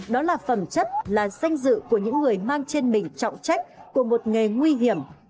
đó là phẩm chất là danh dự của những người mang trên mình trọng trách của một nghề nguy hiểm